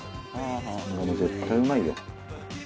もう絶対うまいよ。